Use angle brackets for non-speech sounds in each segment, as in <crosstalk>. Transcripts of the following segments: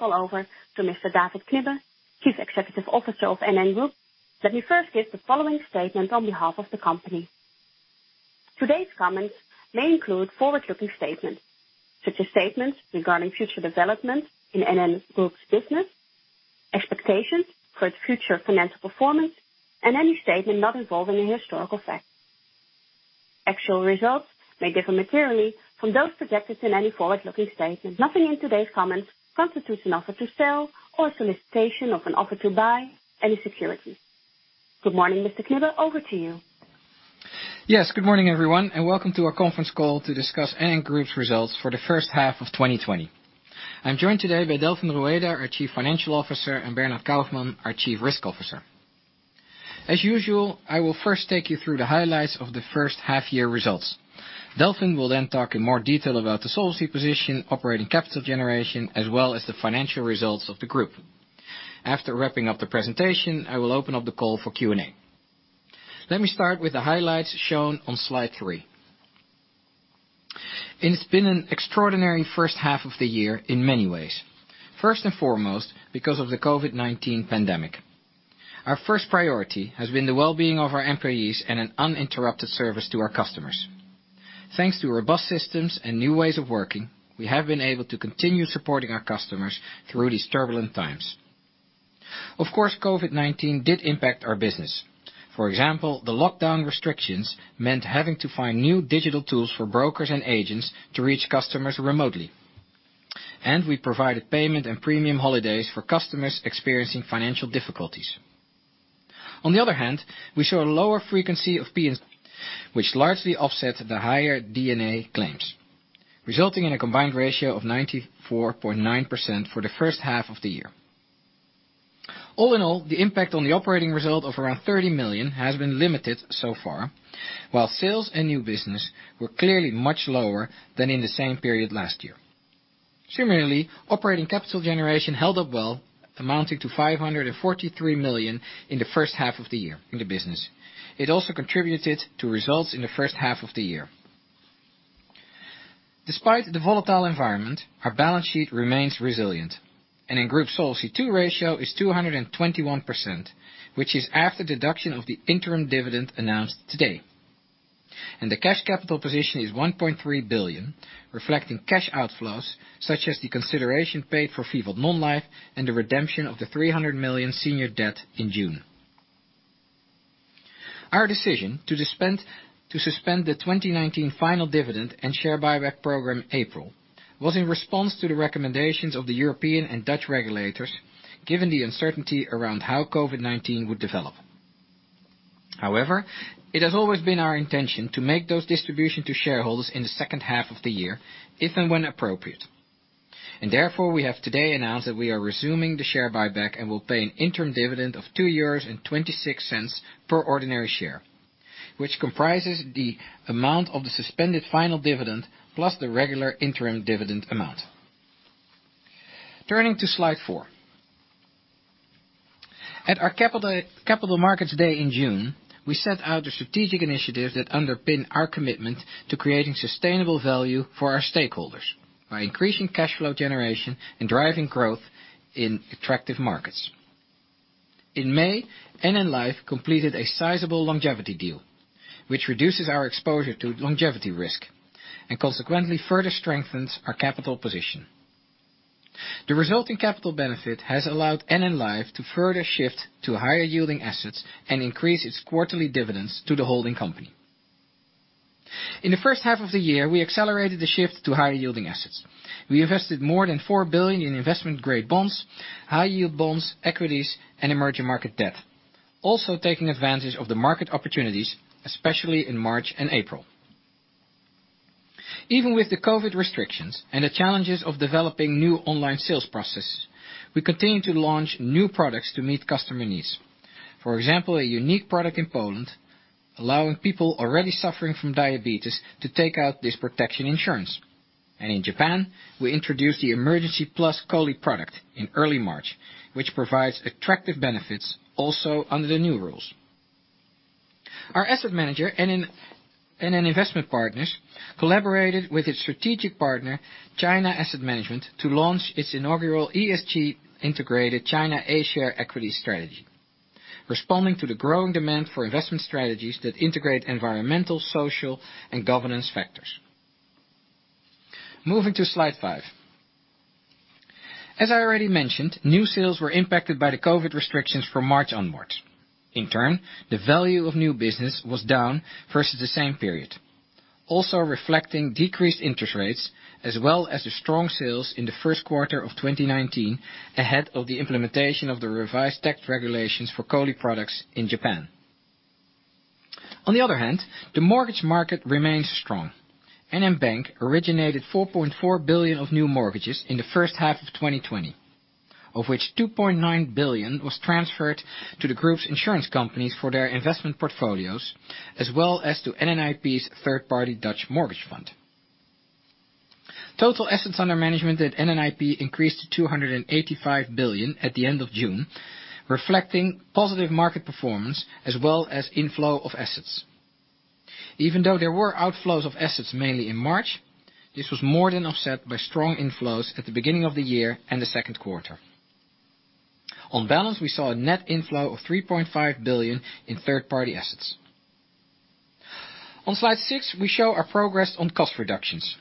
Call over to Mr. David Knibbe, Chief Executive Officer of NN Group. Let me first give the following statement on behalf of the company. Today's comments may include forward-looking statements, such as statements regarding future developments in NN Group's business, expectations for its future financial performance, and any statement not involving a historical fact. Actual results may differ materially from those projected in any forward-looking statement. Nothing in today's comments constitutes an offer to sell or a solicitation of an offer to buy any securities. Good morning, Mr. Knibbe. Over to you. Yes, good morning, everyone, welcome to our conference call to discuss NN Group's results for the first half of 2020. I'm joined today by Delfin Rueda, our Chief Financial Officer, and Bernard Kaufmann, our Chief Risk Officer. As usual, I will first take you through the highlights of the first half-year results. Delfin will then talk in more detail about the solvency position, operating capital generation, as well as the financial results of the group. After wrapping up the presentation, I will open up the call for Q&A. Let me start with the highlights shown on slide three. It's been an extraordinary first half of the year in many ways. First and foremost, because of the COVID-19 pandemic. Our first priority has been the well-being of our employees and an uninterrupted service to our customers. Thanks to robust systems and new ways of working, we have been able to continue supporting our customers through these turbulent times. COVID-19 did impact our business. For example, the lockdown restrictions meant having to find new digital tools for brokers and agents to reach customers remotely. We provided payment and premium holidays for customers experiencing financial difficulties. We saw a lower frequency of P&C, which largely offset the higher D&A claims, resulting in a combined ratio of 94.9% for the first half of the year. The impact on the operating result of around 30 million has been limited so far, while sales and new business were clearly much lower than in the same period last year. Operating capital generation held up well, amounting to 543 million in the first half of the year in the business. It also contributed to results in the first half of the year. Despite the volatile environment, our balance sheet remains resilient. NN Group Solvency II ratio is 221%, which is after deduction of the interim dividend announced today. The cash capital position is 1.3 billion, reflecting cash outflows such as the consideration paid for Vivat Non-life and the redemption of the 300 million senior debt in June. Our decision to suspend the 2019 final dividend and share buyback program in April was in response to the recommendations of the European and Dutch regulators, given the uncertainty around how COVID-19 would develop. However, it has always been our intention to make those distributions to shareholders in the second half of the year if and when appropriate. Therefore, we have today announced that we are resuming the share buyback and will pay an interim dividend of 2.26 euros per ordinary share, which comprises the amount of the suspended final dividend plus the regular interim dividend amount. Turning to slide four. At our Capital Markets Day in June, we set out the strategic initiatives that underpin our commitment to creating sustainable value for our stakeholders by increasing cash flow generation and driving growth in attractive markets. In May, NN Life completed a sizable longevity deal, which reduces our exposure to longevity risk and consequently further strengthens our capital position. The resulting capital benefit has allowed NN Life to further shift to higher-yielding assets and increase its quarterly dividends to the holding company. In the first half of the year, we accelerated the shift to higher-yielding assets. We invested more than 4 billion in investment-grade bonds, high-yield bonds, equities, and emerging market debt. Taking advantage of the market opportunities, especially in March and April. Even with the COVID-19 restrictions and the challenges of developing new online sales processes, we continued to launch new products to meet customer needs. For example, a unique product in Poland, allowing people already suffering from diabetes to take out this protection insurance. In Japan, we introduced the Emergency Plus COLI product in early March, which provides attractive benefits also under the new rules. Our asset manager, NN Investment Partners, collaborated with its strategic partner, China Asset Management, to launch its inaugural ESG-integrated China A-share equity strategy, responding to the growing demand for investment strategies that integrate environmental, social, and governance factors. Moving to slide five. As I already mentioned, new sales were impacted by the COVID-19 restrictions from March onwards. In turn, the value of new business was down versus the same period. Also reflecting decreased interest rates as well as the strong sales in the first quarter of 2019 ahead of the implementation of the revised tax regulations for COLI products in Japan. On the other hand, the mortgage market remains strong. NN Bank originated 4.4 billion of new mortgages in the first half of 2020, of which 2.9 billion was transferred to the group's insurance companies for their investment portfolios, as well as to NNIP's third-party Dutch mortgage fund. Total assets under management at NNIP increased to 285 billion at the end of June, reflecting positive market performance as well as inflow of assets. Even though there were outflows of assets mainly in March, this was more than offset by strong inflows at the beginning of the year and the second quarter. On balance, we saw a net inflow of 3.5 billion in third-party assets. On slide six, we show our progress on cost reductions.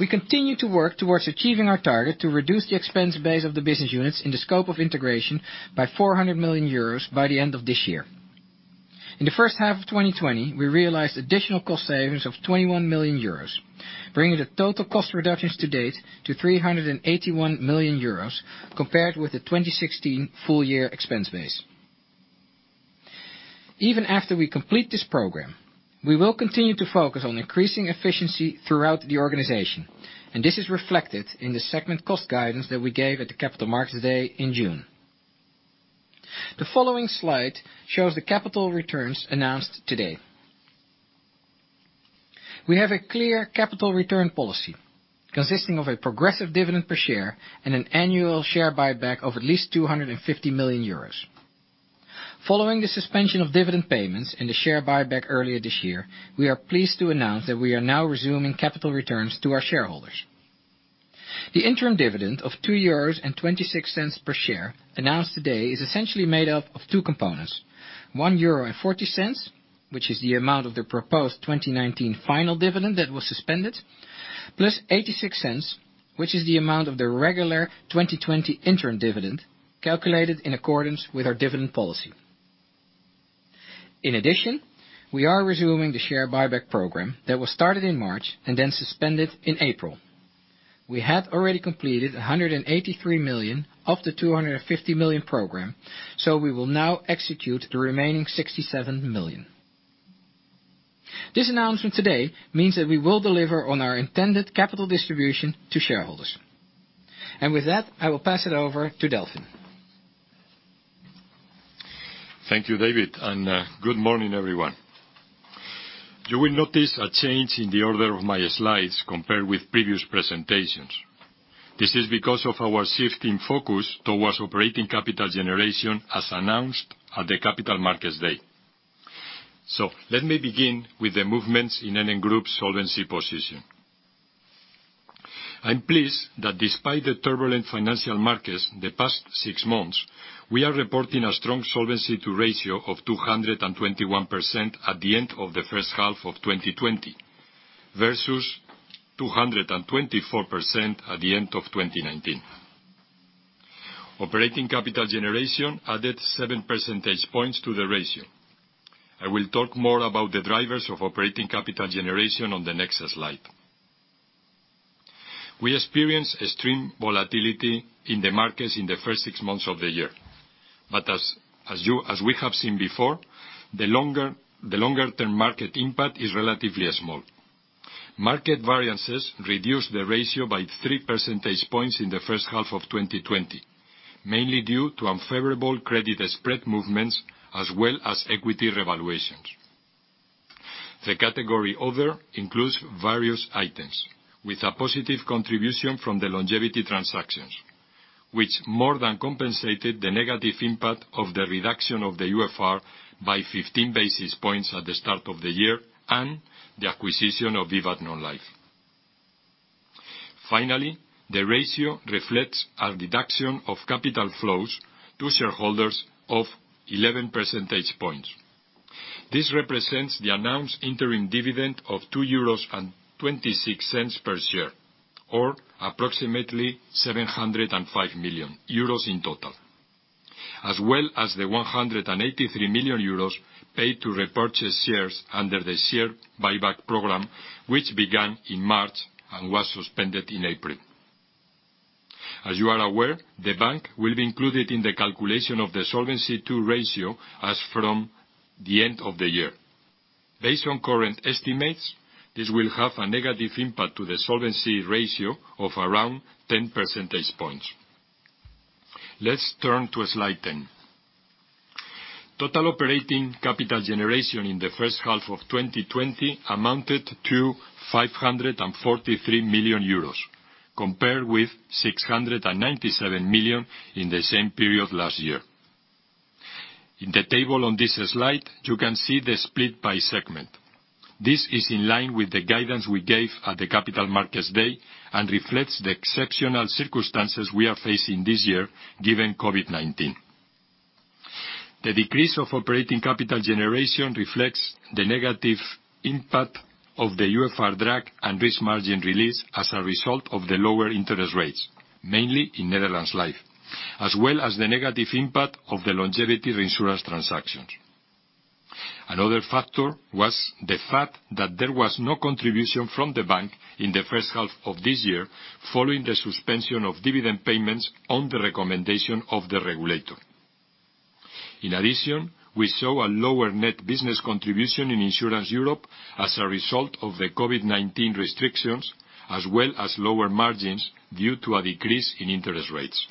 We continue to work towards achieving our target to reduce the expense base of the business units in the scope of integration by 400 million euros by the end of this year. In the first half of 2020, we realized additional cost savings of 21 million euros, bringing the total cost reductions to date to 381 million euros, compared with the 2016 full year expense base. Even after we complete this program, we will continue to focus on increasing efficiency throughout the organization, and this is reflected in the segment cost guidance that we gave at the Capital Markets Day in June. The following slide shows the capital returns announced today. We have a clear capital return policy consisting of a progressive dividend per share and an annual share buyback of at least 250 million euros. Following the suspension of dividend payments and the share buyback earlier this year, we are pleased to announce that we are now resuming capital returns to our shareholders. The interim dividend of 2.26 euros per share announced today is essentially made up of two components: 1.40 euro, which is the amount of the proposed 2019 final dividend that was suspended, plus 0.86, which is the amount of the regular 2020 interim dividend, calculated in accordance with our dividend policy. In addition, we are resuming the share buyback program that was started in March and then suspended in April. We had already completed 183 million of the 250 million program, so we will now execute the remaining 67 million. This announcement today means that we will deliver on our intended capital distribution to shareholders. With that, I will pass it over to Delfin. Thank you, David. Good morning, everyone. You will notice a change in the order of my slides compared with previous presentations. This is because of our shift in focus towards operating capital generation, as announced at the Capital Markets Day. Let me begin with the movements in NN Group solvency position. I am pleased that despite the turbulent financial markets in the past six months, we are reporting a strong Solvency II ratio of 221% at the end of the first half of 2020 versus 224% at the end of 2019. Operating capital generation added seven percentage points to the ratio. I will talk more about the drivers of operating capital generation on the next slide. We experienced extreme volatility in the markets in the first six months of the year. As we have seen before, the longer-term market impact is relatively small. Market variances reduced the ratio by three percentage points in the first half of 2020, mainly due to unfavorable credit spread movements as well as equity revaluations. The category other includes various items with a positive contribution from the longevity transactions, which more than compensated the negative impact of the reduction of the UFR by 15 basis points at the start of the year and the acquisition of Vivat Non-life. Finally, the ratio reflects a deduction of capital flows to shareholders of 11 percentage points. This represents the announced interim dividend of 2.26 euros per share, or approximately 705 million euros in total, as well as the 183 million euros paid to repurchase shares under the share buyback program, which began in March and was suspended in April. As you are aware, the bank will be included in the calculation of the Solvency II ratio as from the end of the year. Based on current estimates, this will have a negative impact to the solvency ratio of around 10 percentage points. Let's turn to slide 10. Total operating capital generation in the first half of 2020 amounted to 543 million euros, compared with 697 million in the same period last year. In the table on this slide, you can see the split by segment. This is in line with the guidance we gave at the Capital Markets Day, and reflects the exceptional circumstances we are facing this year, given COVID-19. The decrease of operating capital generation reflects the negative impact of the UFR drag and risk margin release as a result of the lower interest rates, mainly in Netherlands Life, as well as the negative impact of the longevity reinsurance transactions. Another factor was the fact that there was no contribution from the bank in the first half of this year, following the suspension of dividend payments on the recommendation of the regulator. In addition, we saw a lower net business contribution in Insurance Europe as a result of the COVID-19 restrictions, as well as lower margins due to a decrease in interest rates.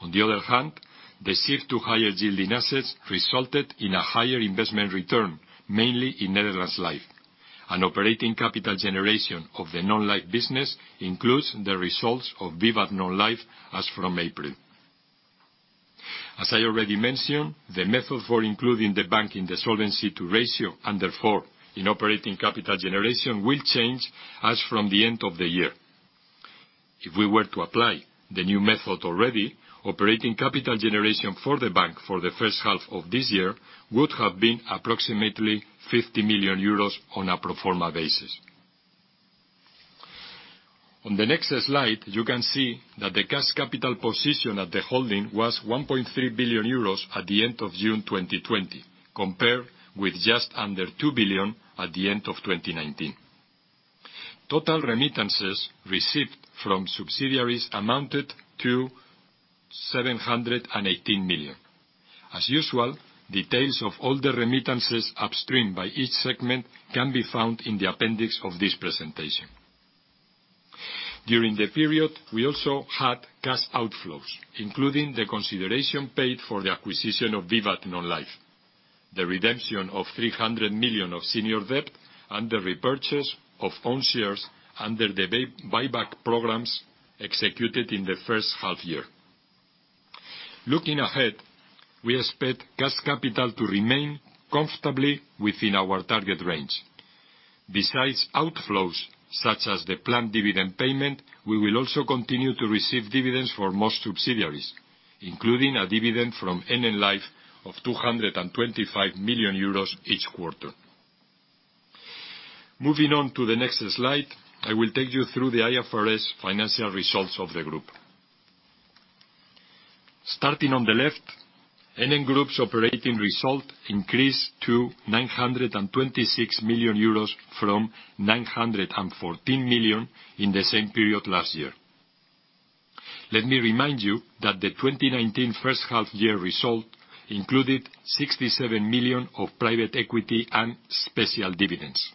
On the other hand, the shift to higher yielding assets resulted in a higher investment return, mainly in Netherlands Life. Operating capital generation of the Non-life business includes the results of Vivat Non-life as from April. As I already mentioned, the method for including the bank in the Solvency II ratio, and therefore, in operating capital generation, will change as from the end of the year. If we were to apply the new method already, operating capital generation for the bank for the first half of this year would have been approximately 50 million euros on a pro forma basis. On the next slide, you can see that the cash capital position at the holding was 1.3 billion euros at the end of June 2020, compared with just under 2 billion at the end of 2019. Total remittances received from subsidiaries amounted to 718 million. As usual, details of all the remittances up streamed by each segment can be found in the appendix of this presentation. During the period, we also had cash outflows, including the consideration paid for the acquisition of Vivat Non-life, the redemption of 300 million of senior debt, and the repurchase of own shares under the buyback programs executed in the first half year. Looking ahead, we expect cash capital to remain comfortably within our target range. Besides outflows such as the planned dividend payment, we will also continue to receive dividends for most subsidiaries, including a dividend from NN Life of 225 million euros each quarter. Moving on to the next slide, I will take you through the IFRS financial results of the group. Starting on the left, NN Group's operating result increased to 926 million euros from 914 million in the same period last year. Let me remind you that the 2019 first half year result included 67 million of private equity and special dividends.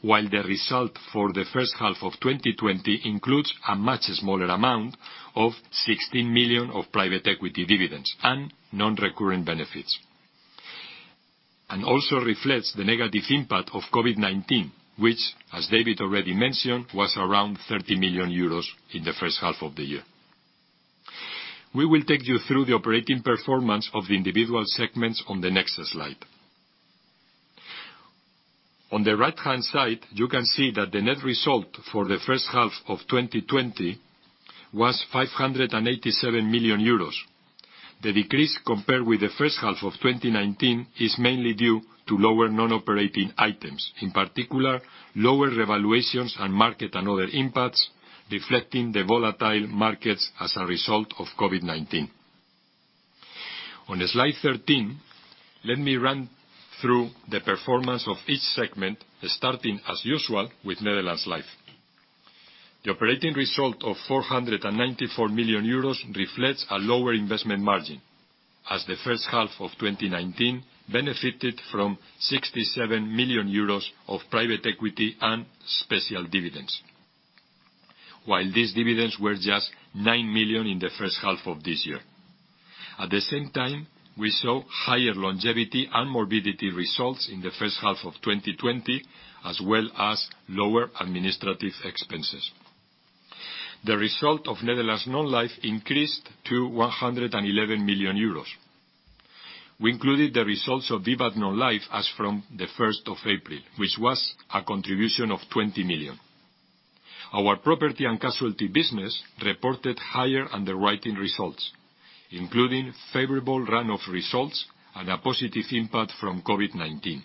While the result for the first half of 2020 includes a much smaller amount of 16 million of private equity dividends and non-recurrent benefits. Also reflects the negative impact of COVID-19, which, as David already mentioned, was around 30 million euros in the first half of the year. We will take you through the operating performance of the individual segments on the next slide. On the right-hand side, you can see that the net result for the first half of 2020 was 587 million euros. The decrease compared with the first half of 2019 is mainly due to lower non-operating items, in particular, lower revaluations and market and other impacts, reflecting the volatile markets as a result of COVID-19. On slide 13, let me run through the performance of each segment, starting as usual with Netherlands Life. The operating result of 494 million euros reflects a lower investment margin as the first half of 2019 benefited from 67 million euros of private equity and special dividends. While these dividends were just nine million in the first half of this year. At the same time, we saw higher longevity and morbidity results in the first half of 2020, as well as lower administrative expenses. The result of Netherlands Non-life increased to 111 million euros. We included the results of Vivat Non-life as from the 1st of April, which was a contribution of 20 million. Our property and casualty business reported higher underwriting results, including favorable run-off results and a positive impact from COVID-19.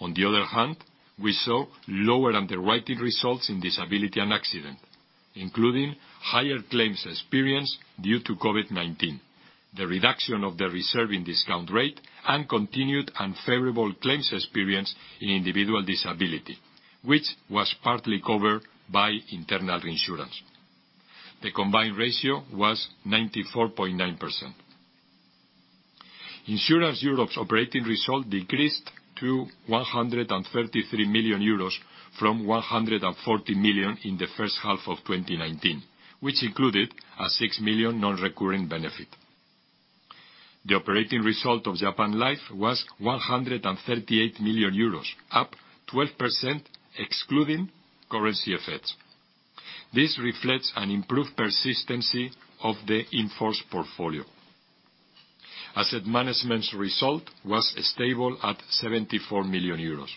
On the other hand, we saw lower underwriting results in disability and accident, including higher claims experience due to COVID-19, the reduction of the reserving discount rate, and continued unfavorable claims experience in individual disability, which was partly covered by internal reinsurance. The combined ratio was 94.9%. Insurance Europe's operating result decreased to 133 million euros from 140 million in the first half of 2019, which included a 6 million non-recurrent benefit. The operating result of Japan Life was 138 million euros, up 12%, excluding currency effects. This reflects an improved persistency of the in-force portfolio. Asset management's result was stable at 74 million euros.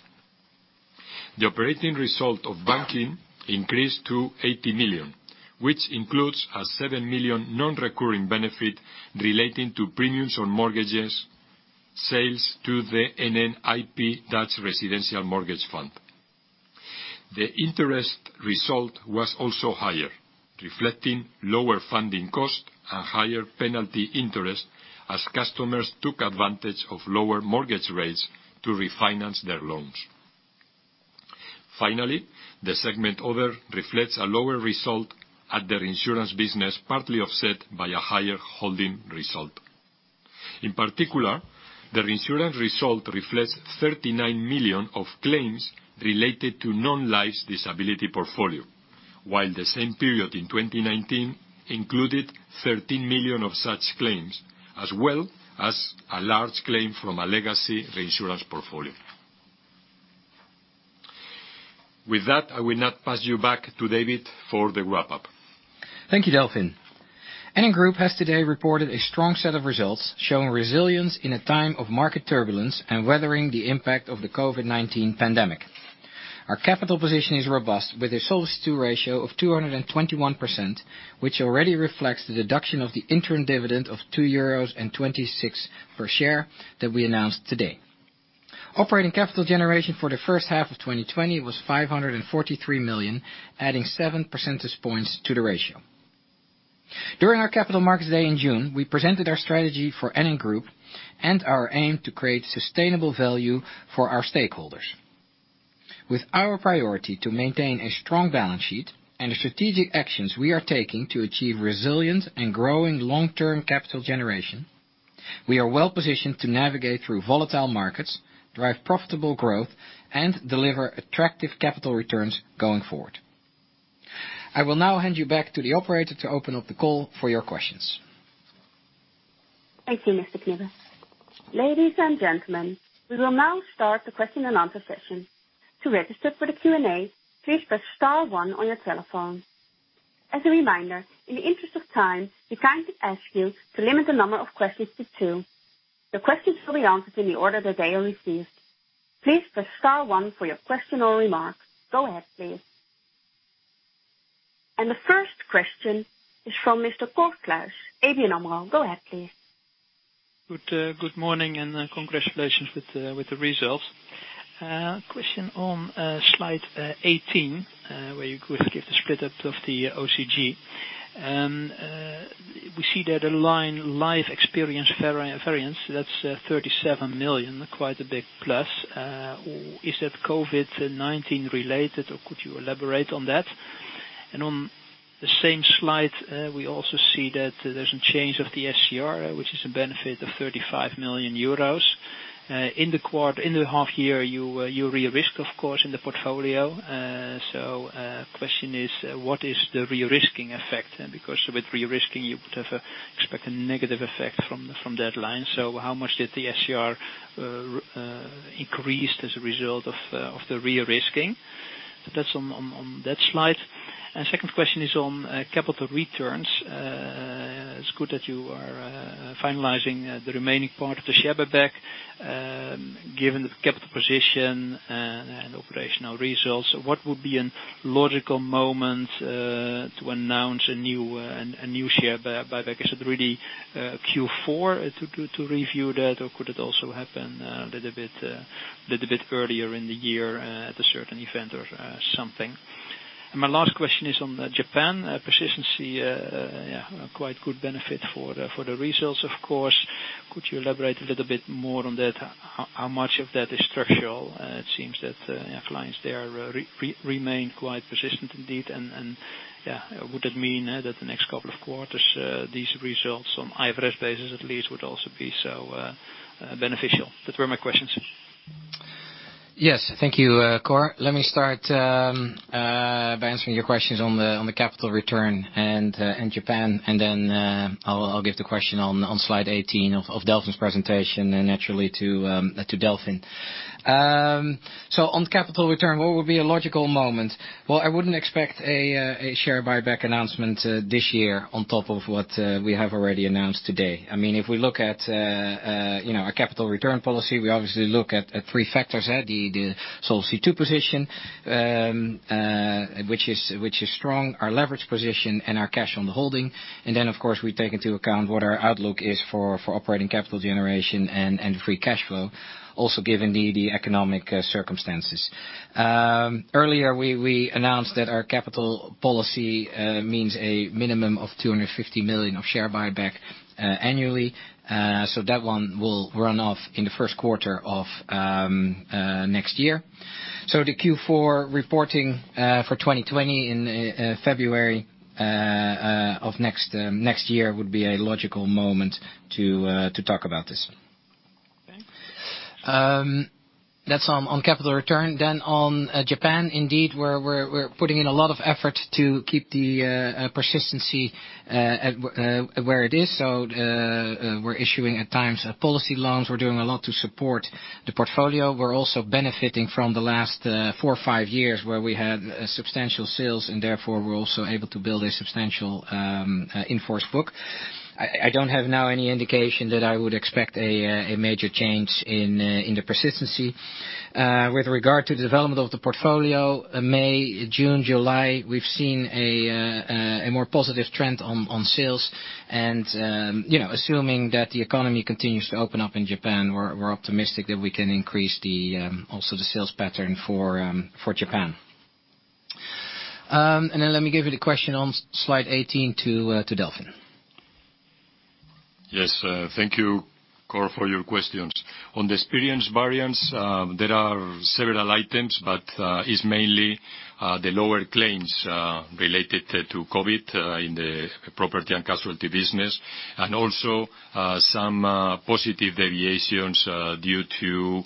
The operating result of banking increased to 80 million, which includes a 7 million non-recurring benefit relating to premiums on mortgages, sales to the NN IP Dutch Residential Mortgage Fund. The interest result was also higher, reflecting lower funding cost and higher penalty interest as customers took advantage of lower mortgage rates to refinance their loans. Finally, the segment other reflects a lower result at the reinsurance business, partly offset by a higher holding result. In particular, the reinsurance result reflects 39 million of claims related to Non-life's disability portfolio. While the same period in 2019 included 13 million of such claims, as well as a large claim from a legacy reinsurance portfolio. With that, I will now pass you back to David for the wrap-up. Thank you, Delfin. NN Group has today reported a strong set of results, showing resilience in a time of market turbulence and weathering the impact of the COVID-19 pandemic. Our capital position is robust, with a Solvency II ratio of 221%, which already reflects the deduction of the interim dividend of 2.26 euros per share that we announced today. Operating capital generation for the first half of 2020 was 543 million, adding seven percentage points to the ratio. During our Capital Markets Day in June, we presented our strategy for NN Group and our aim to create sustainable value for our stakeholders. With our priority to maintain a strong balance sheet and the strategic actions we are taking to achieve resilient and growing long-term capital generation, we are well-positioned to navigate through volatile markets, drive profitable growth, and deliver attractive capital returns going forward. I will now hand you back to the operator to open up the call for your questions. Thank you, Mr. Knibbe. Ladies and gentlemen, we will now start the question and answer session. To register for the Q&A, please press star one on your telephone. As a reminder, in the interest of time, we kindly ask you to limit the number of questions to two. Your questions will be answered in the order that they are received. Please press star one for your question or remark. Go ahead, please. The first question is from Mr. Cor Kluis, ABN AMRO. Go ahead, please. Good morning. Congratulations with the results. Question on slide 18, where you could give the split up of the OCG. We see that a line life experience variance, that's 37 million, quite a big plus. Is that COVID-19 related, or could you elaborate on that? On the same slide, we also see that there's a change of the SCR, which is a benefit of 35 million euros. In the half year, you re-risk, of course, in the portfolio. Question is, what is the re-risking effect? Because with re-risking, you would expect a negative effect from that line. How much did the SCR increase as a result of the re-risking? That's on that slide. Second question is on capital returns. It's good that you are finalizing the remaining part of the share buyback. Given the capital position and operational results, what would be a logical moment to announce a new share buyback? Is it really Q4 to review that, or could it also happen a little bit earlier in the year at a certain event or something? My last question is on Japan persistency. Quite good benefit for the results, of course. Could you elaborate a little bit more on that? How much of that is structural? It seems that clients there remain quite persistent indeed. Would it mean that the next couple of quarters, these results on IFRS basis at least would also be so beneficial? That were my questions. Yes. Thank you, Cor. Let me start by answering your questions on the capital return and Japan, and then I'll give the question on slide 18 of Delfin's presentation naturally to Delfin. On capital return, what would be a logical moment? Well, I wouldn't expect a share buyback announcement this year on top of what we have already announced today. If we look at our capital return policy, we obviously look at three factors. The Solvency II position, which is strong, our leverage position, and our cash on the holding. Of course, we take into account what our outlook is for operating capital generation and free cash flow. Also, given the economic circumstances. Earlier, we announced that our capital policy means a minimum of 250 million of share buyback annually. That one will run off in the first quarter of next year. The Q4 reporting for 2020 in February of next year would be a logical moment to talk about this. Okay. That's on capital return. On Japan, indeed, we're putting in a lot of effort to keep the persistency where it is. We're issuing, at times, policy loans. We're doing a lot to support the portfolio. We're also benefiting from the last four or five years where we had substantial sales, and therefore, we're also able to build a substantial in-force book. I don't have now any indication that I would expect a major change in the persistency. With regard to the development of the portfolio, May, June, July, we've seen a more positive trend on sales. Assuming that the economy continues to open up in Japan, we're optimistic that we can increase also the sales pattern for Japan. Let me give the question on slide 18 to Delfin. Yes. Thank you Cor for your questions. On the experience variance, there are several items, but it's mainly the lower claims related to COVID in the property and casualty business. Also some positive variations due to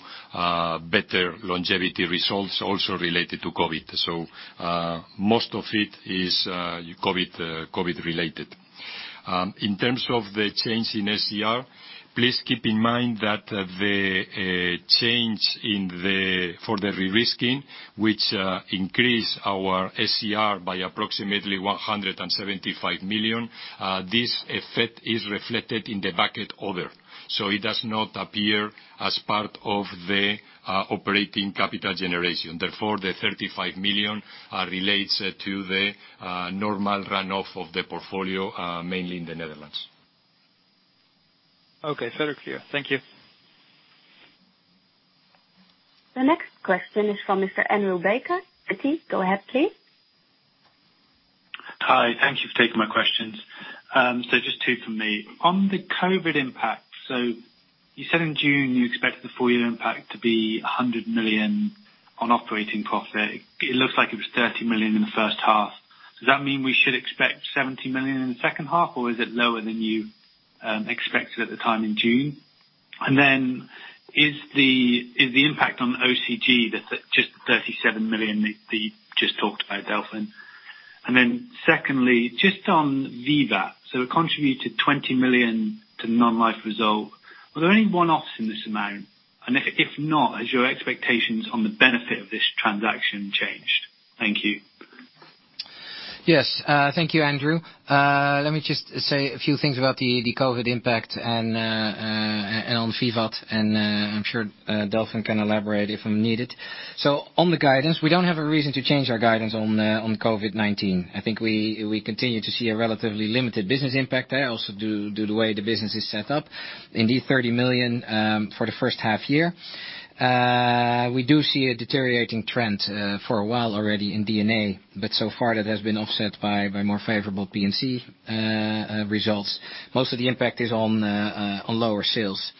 better longevity results also related to COVID. Most of it is COVID-related. In terms of the change in SCR, please keep in mind that the change for the re-risking, which increased our SCR by approximately 175 million, this effect is reflected in the bucket order. It does not appear as part of the operating capital generation. Therefore, the 35 million relates to the normal run-off of the portfolio, mainly in the Netherlands. Okay. Very clear. Thank you. The next question is from Mr. Andrew Baker. Go ahead, please. Hi. Thank you for taking my questions. Just two from me. On the COVID impact, so you said in June you expected the full year impact to be 100 million on operating profit. It looks like it was 35 million in the first half. Does that mean we should expect 70 million in the second half, or is it lower than you expected at the time in June? Is the impact on OCG, just the 37 million that you just talked about, Delfin? Secondly, just on Vivat. It contributed 20 million to non-life reserve. Were there any one-offs in this amount? If not, has your expectations on the benefit of this transaction changed? Thank you. Yes. Thank you, Andrew. Let me just say a few things about the COVID impact and on Vivat, and I'm sure Delfin can elaborate if needed. On the guidance, we don't have a reason to change our guidance on COVID-19. I think we continue to see a relatively limited business impact there, also due to the way the business is set up. Indeed, 30 million for the first half year. We do see a deteriorating trend for a while already in D&A, but so far that has been offset by more favorable P&C results. Most of the impact is on lower sales.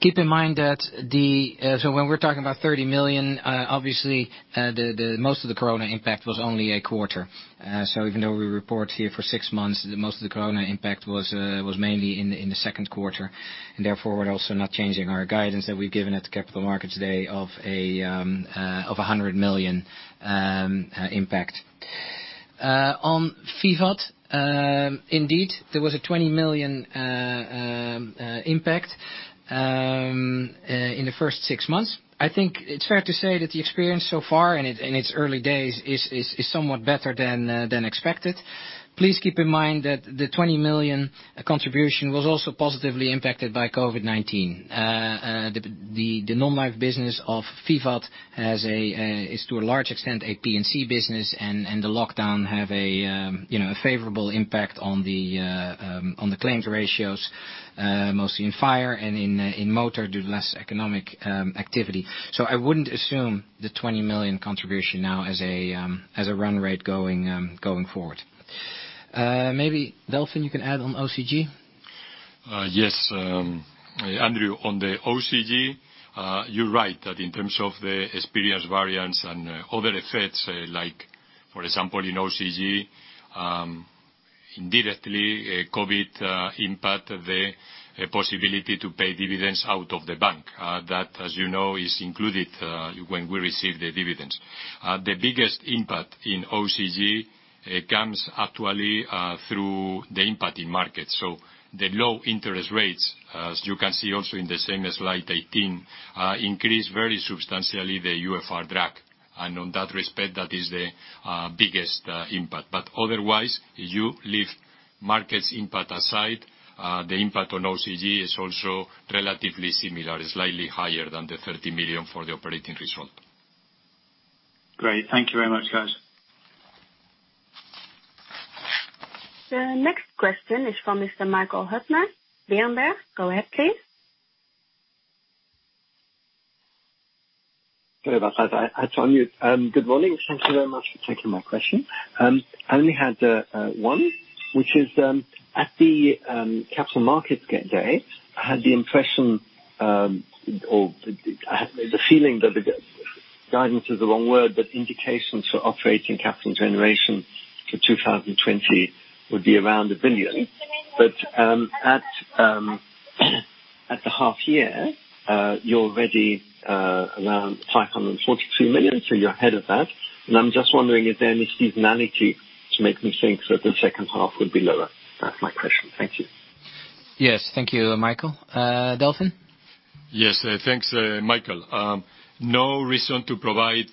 Keep in mind that when we're talking about 30 million, obviously, most of the corona impact was only a quarter. Even though we report here for six months, most of the corona impact was mainly in the second quarter, and therefore we're also not changing our guidance that we've given at the Capital Markets Day of 100 million impact. On Vivat, indeed, there was a 20 million impact in the first six months. I think it's fair to say that the experience so far in its early days is somewhat better than expected. Please keep in mind that the 20 million contribution was also positively impacted by COVID-19. The non-life business of Vivat is to a large extent a P&C business and the lockdown have a favorable impact on the claims ratios, mostly in fire and in motor due to less economic activity. I wouldn't assume the 20 million contribution now as a run rate going forward. Maybe Delfin, you can add on OCG. Yes. Andrew, on the OCG, you're right that in terms of the experience variance and other effects, like for example, in OCG, indirectly COVID-19 impact the possibility to pay dividends out of the bank. That, as you know, is included when we receive the dividends. The biggest impact in OCG comes actually through the impact in markets. The low interest rates, as you can see also in the same slide 18, increase very substantially the UFR drag. On that respect, that is the biggest impact. Otherwise, you leave markets impact aside, the impact on OCG is also relatively similar, slightly higher than the 30 million for the operating result. Great. Thank you very much, guys. The next question is from Mr. Michael Huttner, Berenberg. Go ahead, please. Sorry about that. I had to unmute. Good morning. Thank you very much for taking my question. I only had one, which is, at the Capital Markets Day, I had the impression or the feeling that, guidance is the wrong word, but indications for operating capital generation for 2020 would be around 1 billion. At the half year, you're already around 543 million, so you're ahead of that. I'm just wondering if there is seasonality to make me think that the second half would be lower. That's my question. Thank you. Yes. Thank you, Michael. Delfin? Yes. Thanks, Michael. No reason to provide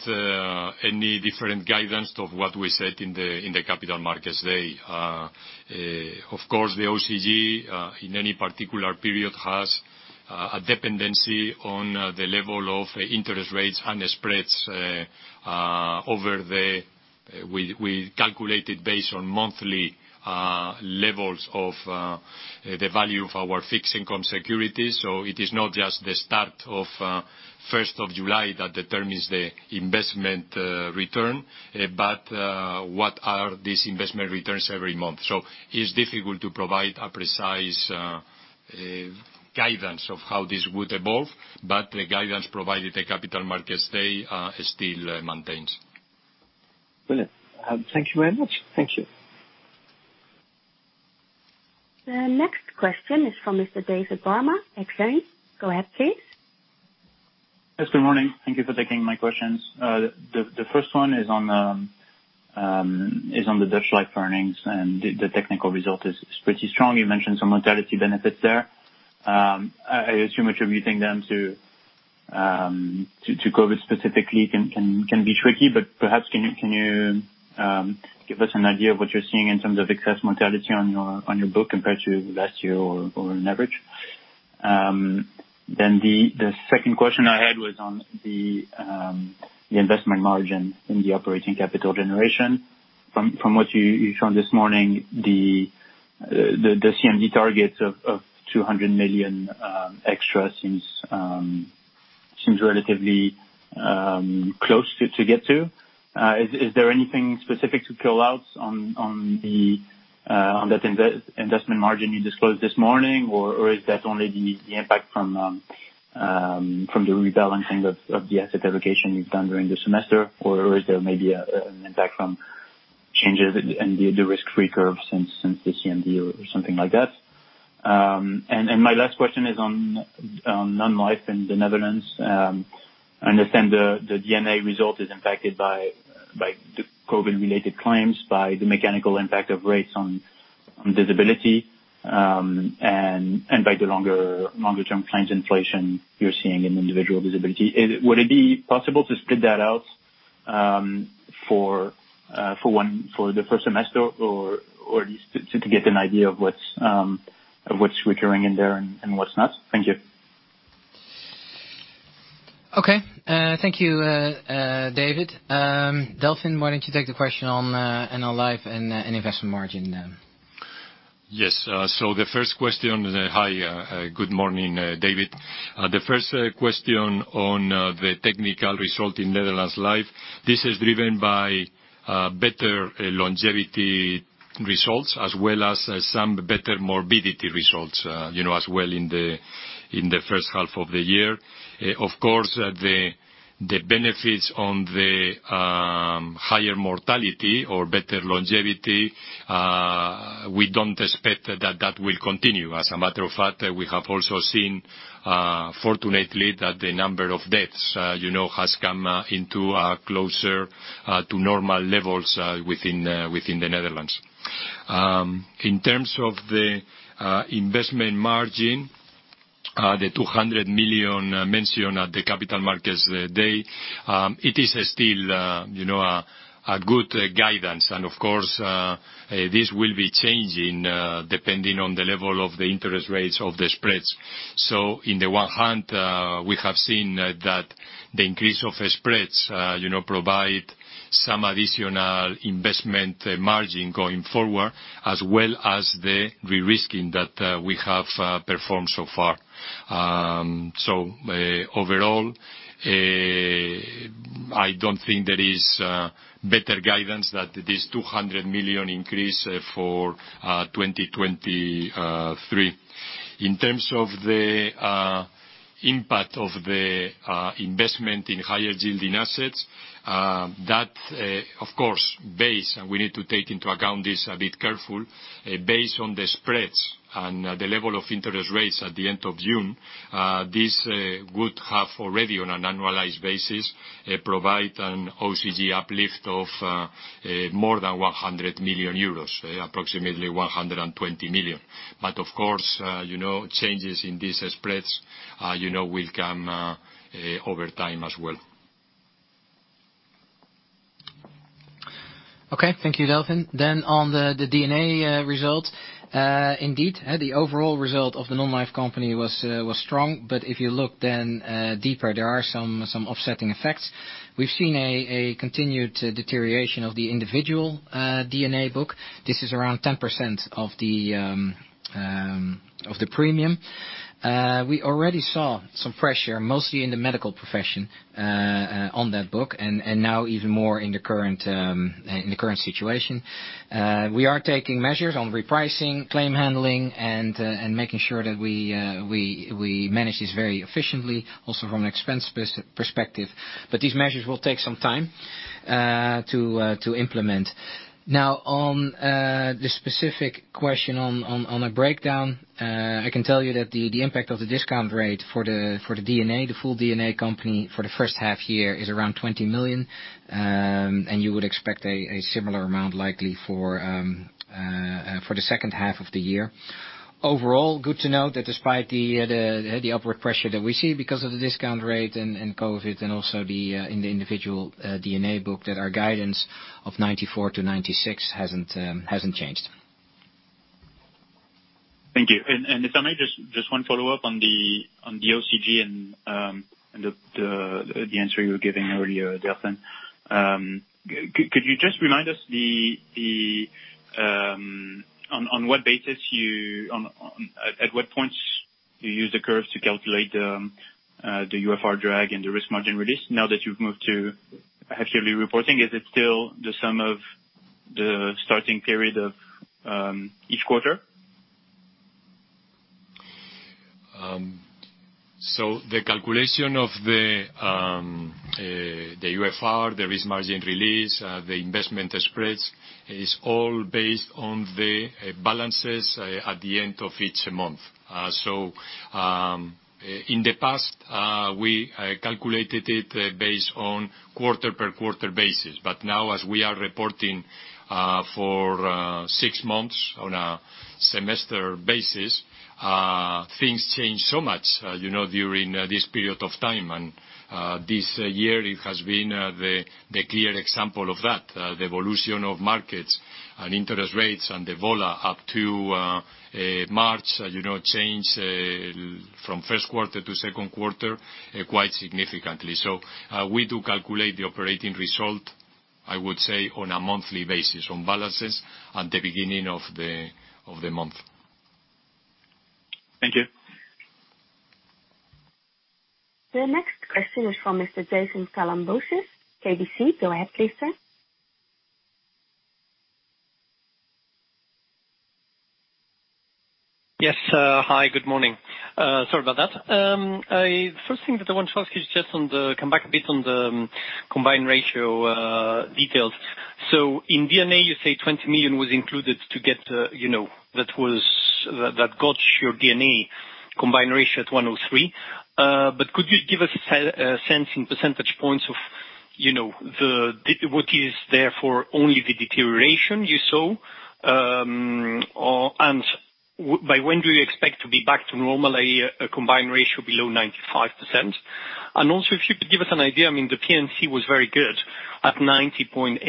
any different guidance of what we said in the Capital Markets Day. Of course, the OCG in any particular period has a dependency on the level of interest rates and spreads. We calculated based on monthly levels of the value of our fixed income securities. It is not just the start of 1st of July that determines the investment return, but what are these investment returns every month. It's difficult to provide a precise guidance of how this would evolve, but the guidance provided at Capital Markets Day still maintains. Brilliant. Thank you very much. Thank you. The next question is from Mr. David Barma, Exane. Go ahead, please. Yes. Good morning. Thank you for taking my questions. The first one is on the Netherlands Life earnings. The technical result is pretty strong. You mentioned some mortality benefits there. I assume attributing them to COVID-19 specifically can be tricky. Perhaps can you give us an idea of what you're seeing in terms of excess mortality on your book compared to last year or on average? The second question I had was on the investment margin in the operating capital generation. From what you've shown this morning, the CMD targets of 200 million extra seems relatively close to get to. Is there anything specific to call out on that investment margin you disclosed this morning, or is that only the impact from the rebalancing of the asset allocation you've done during the semester, or is there maybe an impact from changes in the risk-free curve since the CMD or something like that? My last question is on non-life in the Netherlands. I understand the D&A result is impacted by the COVID related claims, by the mechanical impact of rates on disability, and by the longer-term claims inflation you're seeing in individual disability. Would it be possible to split that out for the first semester or at least to get an idea of what's recurring in there and what's not? Thank you. Okay. Thank you, David. Delfin, why don't you take the question on non-life and investment margin? Yes. The first question. Hi, good morning, David. The first question on the technical result in Netherlands Life, this is driven by better longevity results as well as some better morbidity results as well in the first half of the year. Of course, the benefits on the higher mortality or better longevity, we don't expect that that will continue. As a matter of fact, we have also seen, fortunately, that the number of deaths has come into closer to normal levels within the Netherlands. In terms of the investment margin, the 200 million mentioned at the Capital Markets Day, it is still a good guidance. Of course, this will be changing depending on the level of the interest rates of the spreads. On the one hand, we have seen that the increase of spreads provide some additional investment margin going forward, as well as the re-risking that we have performed so far. Overall, I don't think there is a better guidance that this 200 million increase for 2023. In terms of the impact of the investment in higher yielding assets, that of course, and we need to take into account this a bit careful, based on the spreads and the level of interest rates at the end of June, this would have already, on an annualized basis, provide an OCG uplift of more than 100 million euros, approximately 120 million. Of course, changes in these spreads will come over time as well. Thank you, Delfin. On the D&A result. Indeed, the overall result of the non-life company was strong. If you look then deeper, there are some offsetting effects. We've seen a continued deterioration of the individual D&A book. This is around 10% of the premium. We already saw some pressure, mostly in the medical profession, on that book, and now even more in the current situation. We are taking measures on repricing, claim handling, and making sure that we manage this very efficiently, also from an expense perspective. These measures will take some time to implement. On the specific question on a breakdown, I can tell you that the impact of the discount rate for the full D&A company for the first half year is around 20 million. You would expect a similar amount likely for the second half of the year. Overall, good to note that despite the upward pressure that we see because of the discount rate and COVID-19 and also in the individual D&A book, that our guidance of 94-96 hasn't changed. Thank you. If I may, just one follow-up on the OCG and the answer you were giving earlier, Delfin. Could you just remind us on what basis what points you use the curves to calculate the UFR drag and the risk margin release now that you've moved to actually reporting? Is it still the sum of the starting period of each quarter? The calculation of the UFR, the risk margin release, the investment spreads, is all based on the balances at the end of each month. In the past, we calculated it based on quarter per quarter basis. Now, as we are reporting for six months on a semester basis, things change so much during this period of time. This year it has been the clear example of that. The evolution of markets and interest rates and the vola up to March changed from first quarter to second quarter quite significantly. We do calculate the operating result, I would say, on a monthly basis, on balances at the beginning of the month. Thank you. The next question is from Mr. Jason Kalamboussis, KBC. Go ahead, please, sir. Yes. Hi, good morning. Sorry about that. First thing that I want to ask is come back a bit on the combined ratio details. In D&A, you say 20 million was included that got your D&A combined ratio at 103%. Could you give us a sense in percentage points of what is therefore only the deterioration you saw? By when do you expect to be back to normal, a combined ratio below 95%? Also, if you could give us an idea, I mean, the P&C was very good at 90.8%.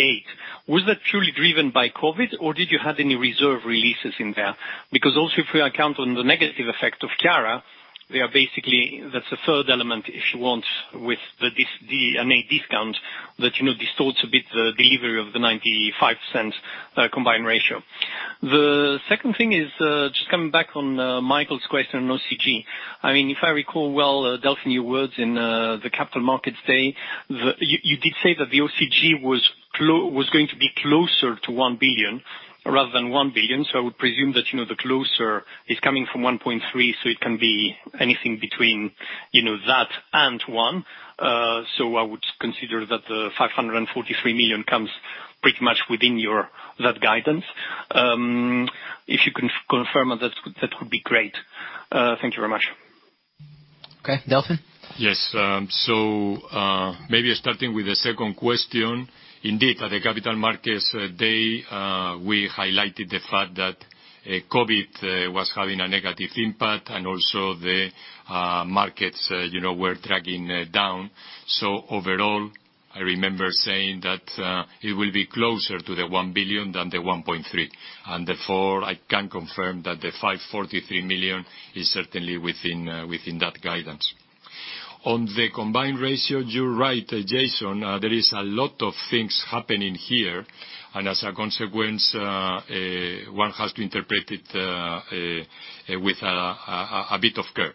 Was that purely driven by COVID-19, or did you have any reserve releases in there? If we account on the negative effect of Ciara, they are basically, that's a third element, if you want, with the D&A discount that distorts a bit the delivery of the 95% combined ratio. The second thing is, just coming back on Michael's question on OCG. If I recall well, Delfin, your words in the Capital Markets Day, you did say that the OCG was going to be closer to 1 billion rather than 1 billion. I would presume that the closer is coming from 1.3 billion, so it can be anything between that and 1 billion. I would consider that the 543 million comes pretty much within that guidance. If you can confirm that would be great. Thank you very much. Okay. Delfin? Yes. Maybe starting with the second question. Indeed, at the Capital Markets Day, we highlighted the fact that COVID was having a negative impact and also the markets were dragging down. Overall, I remember saying that it will be closer to the 1 billion than the 1.3 billion. Therefore, I can confirm that the 543 million is certainly within that guidance. On the combined ratio, you're right, Jason, there is a lot of things happening here. As a consequence, one has to interpret it with a bit of care.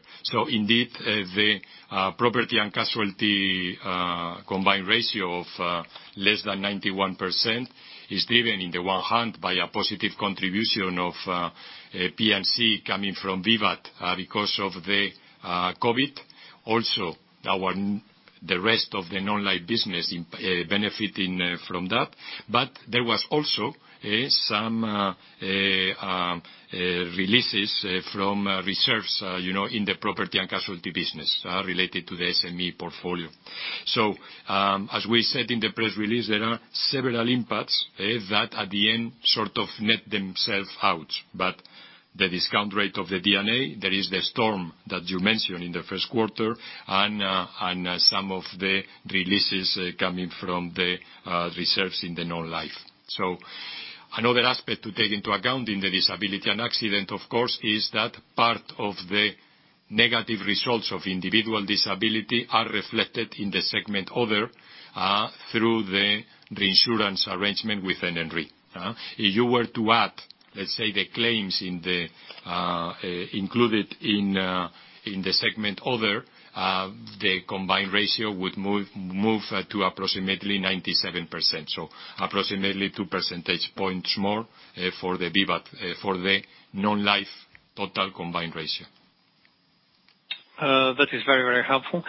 Indeed, the property and casualty combined ratio of less than 91% is driven in the one hand by a positive contribution of P&C coming from Vivat because of the COVID. Also, the rest of the non-life business benefiting from that. There was also some releases from reserves in the property and casualty business related to the SME portfolio. As we said in the press release, there are several impacts that at the end sort of net themselves out. The discount rate of the D&A, there is the storm that you mentioned in the first quarter and some of the releases coming from the reserves in the non-life. Another aspect to take into account in the disability and accident, of course, is that part of the negative results of individual disability are reflected in the segment other, through the insurance arrangement with NN Group. If you were to add, let's say, the claims included in the segment other, the combined ratio would move to approximately 97%. Approximately two percentage points more for the non-life total combined ratio. That is very, very helpful.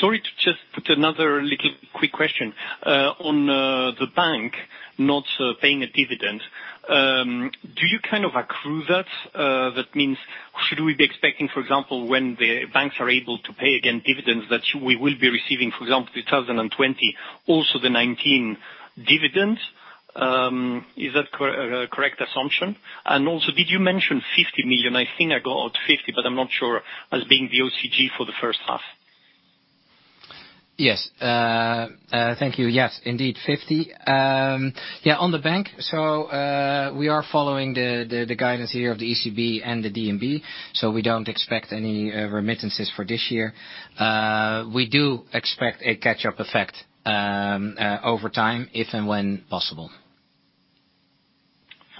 Sorry to just put another little quick question. On the bank not paying a dividend, do you kind of accrue that? That means should we be expecting, for example, when the banks are able to pay again dividends that we will be receiving, for example, 2020, also the 2019 dividends? Is that a correct assumption? And also, did you mention 50 million? I think I got 50, but I'm not sure, as being the OCG for the first half. Thank you. Indeed, 50. On the bank, we are following the guidance here of the ECB and the DNB. We don't expect any remittances for this year. We do expect a catch-up effect over time, if and when possible.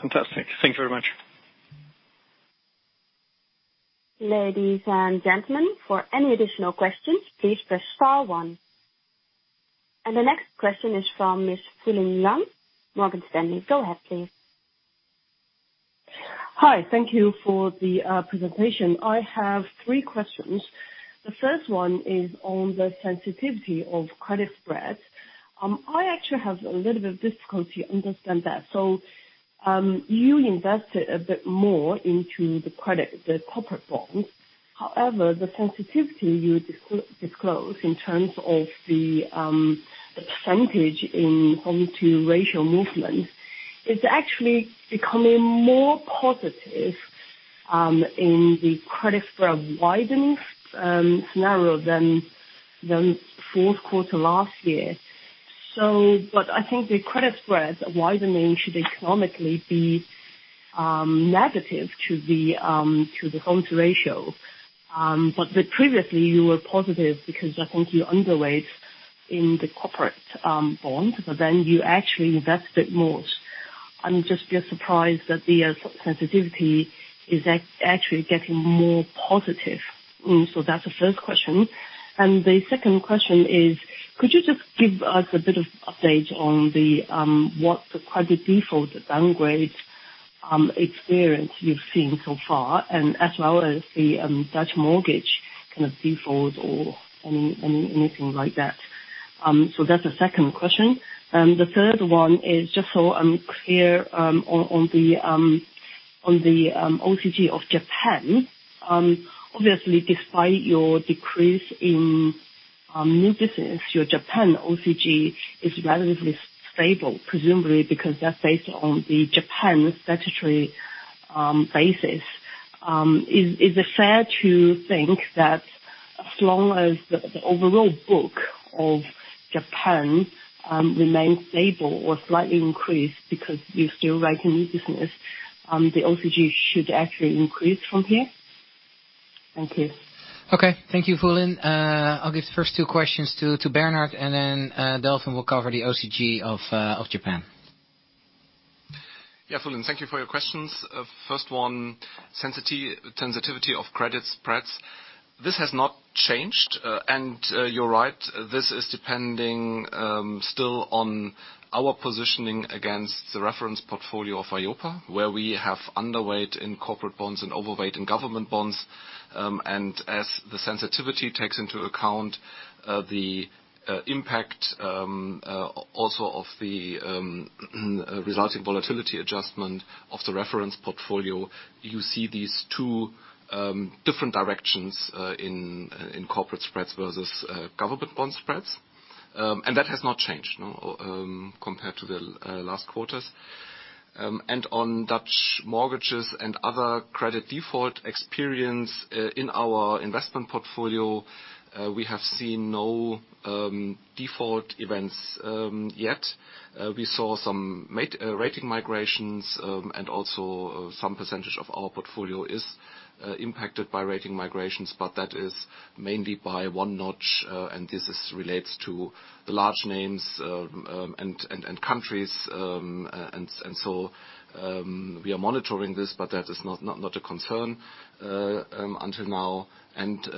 Fantastic. Thank you very much. Ladies and gentlemen, for any additional questions, please press star one. The next question is from Miss Fulin Liang, Morgan Stanley. Go ahead, please. Hi. Thank you for the presentation. I have three questions. The first one is on the sensitivity of credit spreads. I actually have a little bit of difficulty understand that. You invested a bit more into the credit, the corporate bonds. However, the sensitivity you disclose in terms of the percentage in Solvency II ratio movement is actually becoming more positive in the credit spread widening scenario than the fourth quarter last year. I think the credit spreads widening should economically be negative to the <inaudible> ratio. Previously you were positive because I think you underweight in the corporate bonds, but then you actually invested more. I'm just a bit surprised that the sensitivity is actually getting more positive. That's the first question. The second question is, could you just give us a bit of update on what the credit default, the downgrade experience you've seen so far and as well as the Dutch mortgage default or anything like that? That's the second question. The third one is, just so I'm clear on the OCG of Japan, obviously despite your decrease in new business, your Japan OCG is relatively stable, presumably because that's based on the Japan statutory basis. Is it fair to think that as long as the overall book of Japan remains stable or slightly increased because you still writing new business, the OCG should actually increase from here? Thank you. Okay. Thank you, Fulin. I'll give the first two questions to Bernard. Then Delfin will cover the OCG of Japan. Yeah, Fulin, thank you for your questions. First one, sensitivity of credit spreads. This has not changed. You're right, this is depending still on our positioning against the reference portfolio of EIOPA, where we have underweighted in corporate bonds and overweight in government bonds. As the sensitivity takes into account the impact also of the resulting volatility adjustment of the reference portfolio, you see these two different directions in corporate spreads versus government bond spreads. That has not changed compared to the last quarters. On Dutch mortgages and other credit default experience in our investment portfolio, we have seen no default events yet. We saw some rating migrations, and also some percentage of our portfolio is impacted by rating migrations, but that is mainly by one notch, and this relates to the large names and countries. We are monitoring this, but that is not a concern until now.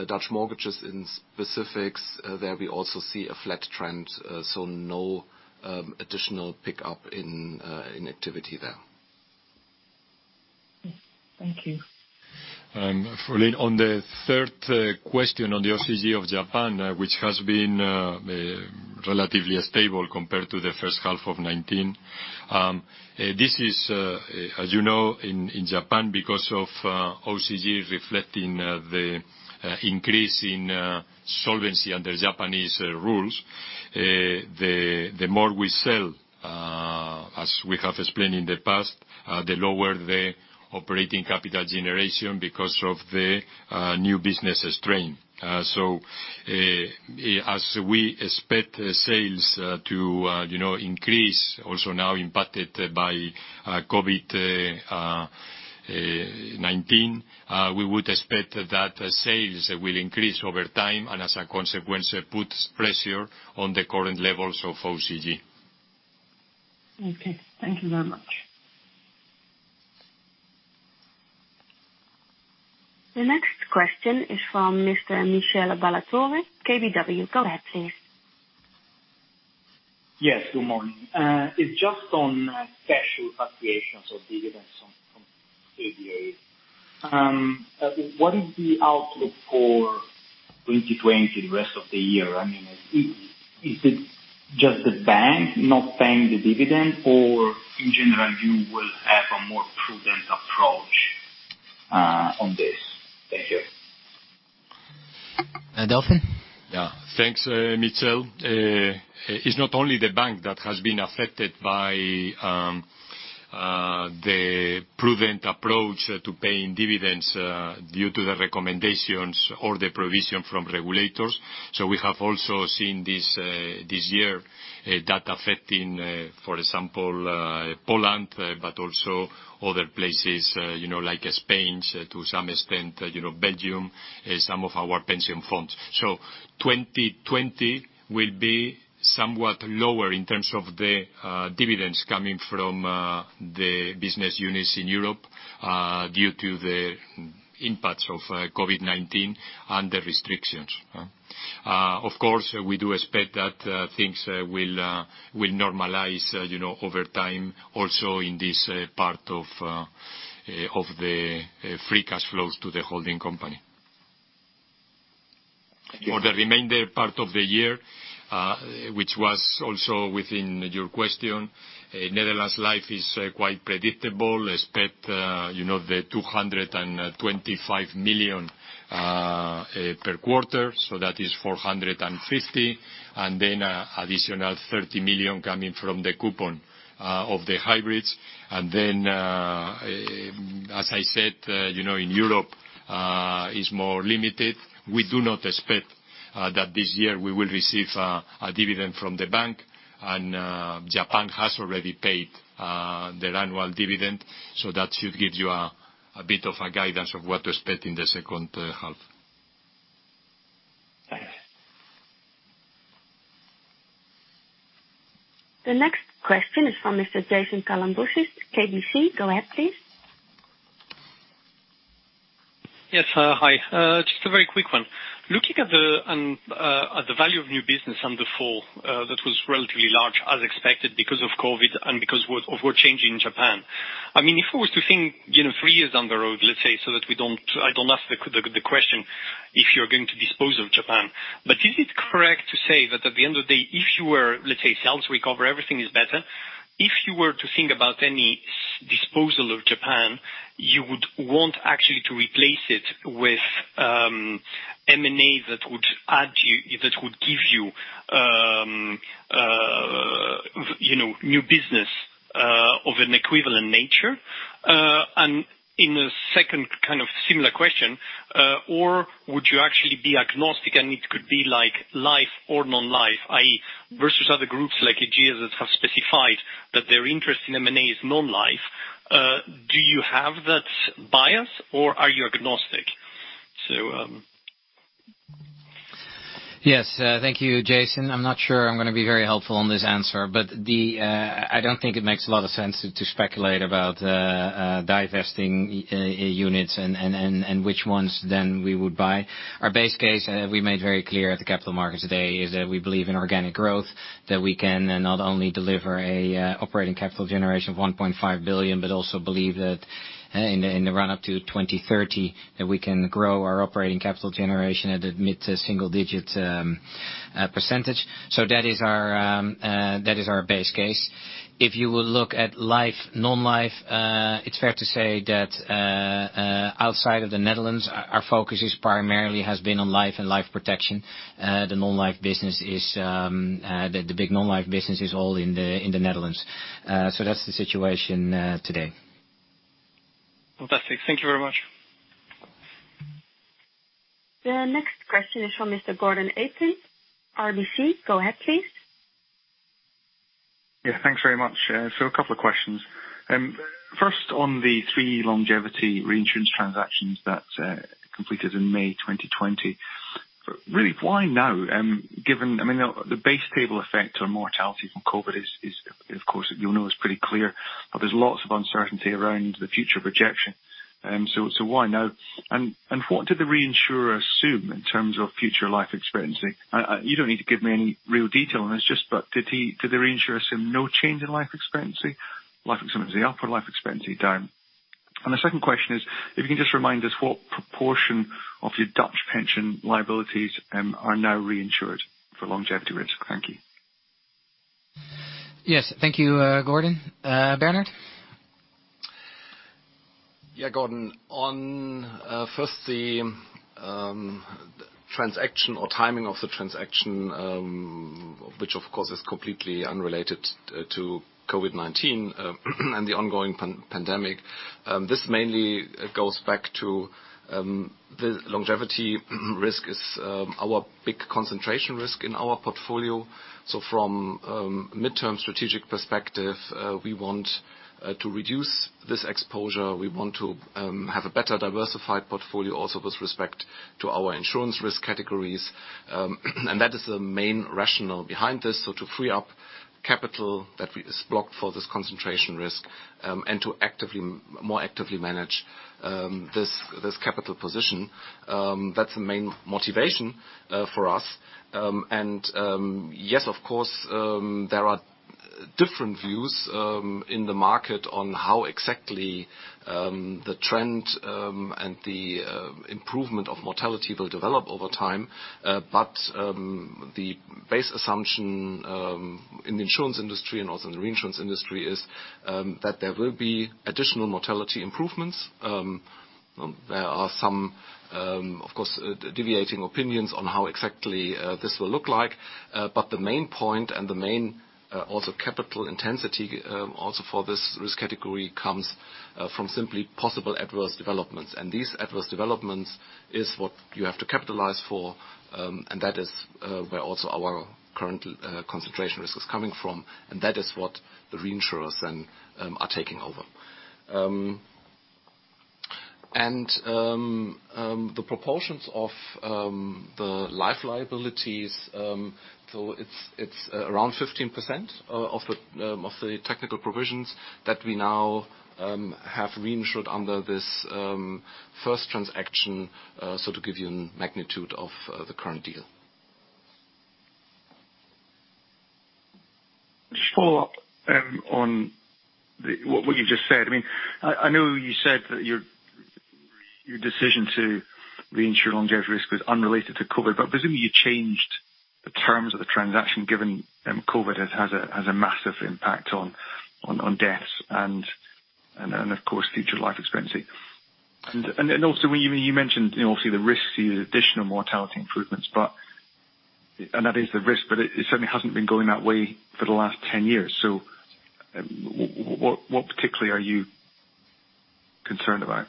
Dutch mortgages in specifics, there we also see a flat trend, so no additional pickup in activity there. Thank you. Fulin, on the third question on the OCG of Japan, which has been relatively stable compared to the first half of 2019. This is, as you know, in Japan, because of OCG reflecting the increase in solvency under Japanese rules, the more we sell, as we have explained in the past, the lower the operating capital generation because of the new business strain. As we expect sales to increase, also now impacted by COVID-19, we would expect that sales will increase over time, and as a consequence, it puts pressure on the current levels of OCG. Okay. Thank you very much. The next question is from Mr. Michele Ballatore, KBW. Go ahead, please. Yes, good morning. It's just on special fluctuations of dividends from KBW. What is the outlook for 2020, the rest of the year? Is it just the bank not paying the dividend, or in general, you will have a more prudent approach on this? Thank you. Delfin? Yeah. Thanks, Michele. It's not only the bank that has been affected by the prudent approach to paying dividends due to the recommendations or the provision from regulators. We have also seen this year that affecting, for example, Poland, but also other places like Spain, to some extent Belgium, some of our pension funds. 2020 will be somewhat lower in terms of the dividends coming from the business units in Europe due to the impacts of COVID-19 and the restrictions. Of course, we do expect that things will normalize over time also in this part of the free cash flows to the holding company. For the remainder part of the year, which was also within your question, Netherlands Life is quite predictable. Expect the 225 million per quarter, so that is 450 million, and then additional 30 million coming from the coupon of the hybrids. As I said, in Europe is more limited. We do not expect that this year we will receive a dividend from the bank. Japan has already paid their annual dividend. That should give you a bit of a guidance of what to expect in the second half. Thanks. The next question is from Mr. Jason Kalamboussis, KBC. Go ahead, please. Hi. Just a very quick one. Looking at the value of new business on the fall, that was relatively large as expected because of COVID-19 and because of we're changing Japan. If I was to think, three years down the road, let's say, so that I don't ask the question if you're going to dispose of Japan. Is it correct to say that at the end of the day, if you were, let's say, sales recover, everything is better, if you were to think about any disposal of Japan, you would want actually to replace it with M&A that would give you new business of an equivalent nature? In a second kind of similar question, would you actually be agnostic and it could be like life or non-life, i.e. versus other groups like Aegon that have specified that their interest in M&A is non-life. Do you have that bias or are you agnostic? Yes. Thank you, Jason. I'm not sure I'm going to be very helpful on this answer, but I don't think it makes a lot of sense to speculate about divesting units and which ones then we would buy. Our base case, we made very clear at the Capital Markets Day, is that we believe in organic growth, that we can not only deliver a operating capital generation of 1.5 billion, but also believe that in the run-up to 2030, that we can grow our operating capital generation at a mid-single digit percentage. That is our base case. If you would look at Life, Non-life, it's fair to say that outside of the Netherlands, our focus has primarily been on Life and Life protection. The big Non-life business is all in the Netherlands. That's the situation today. Fantastic. Thank you very much. The next question is from Mr. Gordon Aitken, RBC. Go ahead, please. Yeah. Thanks very much. A couple of questions. First, on the three longevity reinsurance transactions that completed in May 2020. Really, why now, given the base table effect on mortality from COVID is, of course, you'll know is pretty clear, there's lots of uncertainty around the future projection. Why now? What did the reinsurer assume in terms of future life expectancy? You don't need to give me any real detail on this, just did the reinsurer assume no change in life expectancy? Life expectancy up or life expectancy down? The second question is, if you can just remind us what proportion of your Dutch pension liabilities are now reinsured for longevity risk. Thank you. Yes. Thank you, Gordon. Bernard? Yeah, Gordon. On first, the transaction or timing of the transaction, which of course is completely unrelated to COVID-19 and the ongoing pandemic. This mainly goes back to the longevity risk is our big concentration risk in our portfolio. From midterm strategic perspective, we want to reduce this exposure. We want to have a better diversified portfolio also with respect to our insurance risk categories. That is the main rationale behind this. To free up capital that is blocked for this concentration risk, and to more actively manage this capital position. That's the main motivation for us. Yes, of course, there are different views in the market on how exactly the trend and the improvement of mortality will develop over time. The base assumption in the insurance industry and also in the reinsurance industry is that there will be additional mortality improvements. There are some, of course, deviating opinions on how exactly this will look like. The main point and the main capital intensity, also for this risk category, comes from simply possible adverse developments. These adverse developments is what you have to capitalize for, and that is where also our current concentration risk is coming from, and that is what the reinsurers then are taking over. The proportions of the life liabilities, so it is around 15% of the technical provisions that we now have reinsured under this first transaction. To give you a magnitude of the current deal. Just follow up on what you just said. I know you said that your decision to reinsure longevity risk was unrelated to COVID, presumably you changed the terms of the transaction, given COVID has a massive impact on deaths and, of course, future life expectancy. Also when you mentioned, obviously, the risks, the additional mortality improvements, and that is the risk, but it certainly hasn't been going that way for the last 10 years. What particularly are you concerned about?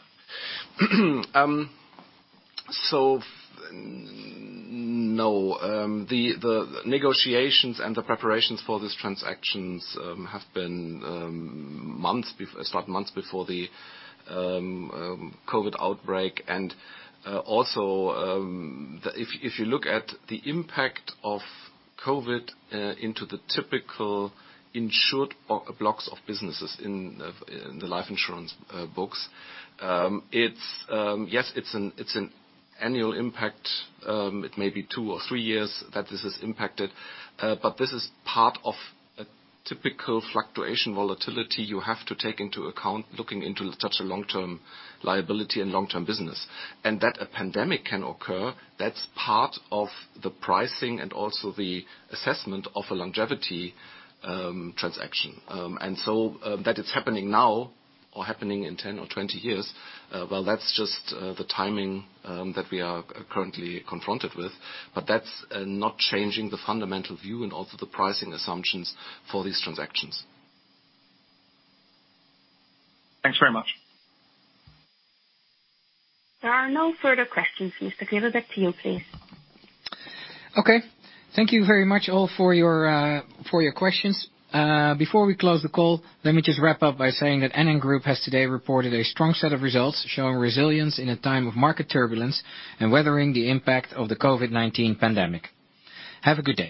No, the negotiations and the preparations for these transactions have been months, start months before the COVID outbreak. Also, if you look at the impact of COVID into the typical insured blocks of businesses in the life insurance books, yes, it's an annual impact. It may be two or three years that this has impacted. This is part of a typical fluctuation volatility you have to take into account looking into such a long-term liability and long-term business. That a pandemic can occur, that's part of the pricing and also the assessment of a longevity transaction. That it's happening now or happening in 10 or 20 years, well, that's just the timing that we are currently confronted with. That's not changing the fundamental view and also the pricing assumptions for these transactions. Thanks very much. There are no further questions. Mr. Knibbe, back to you, please. Okay. Thank you very much all for your questions. Before we close the call, let me just wrap up by saying that NN Group has today reported a strong set of results, showing resilience in a time of market turbulence and weathering the impact of the COVID-19 pandemic. Have a good day